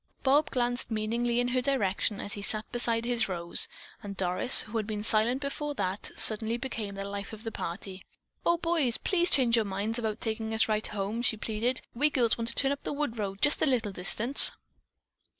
Bob glanced meaningly in her direction as he sat beside his Rose, and Doris, who had been silent before that, suddenly became the life of the party. "Oh, boys, please change your minds about taking us right home," she pleaded. "We girls want to turn up the wood road just a little distance."